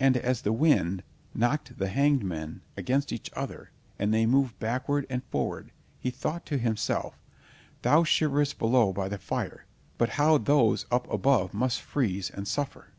And as the wind knocked the hanged men against each other, and they moved backward and forward, he thought to himself: "Thou shiverest below by the fire, but how those up above must freeze and suffer!"